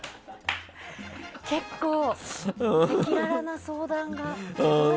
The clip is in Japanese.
結構、赤裸々な相談が。